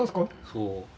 そう。